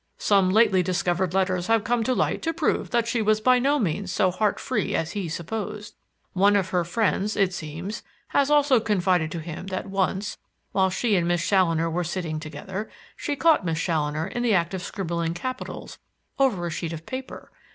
Some lately discovered letters have come to light to prove that she was by no means so heart free as he supposed. One of her friends, it seems, has also confided to him that once, while she and Miss Challoner were sitting together, she caught Miss Challoner in the act of scribbling capitals over a sheet of paper.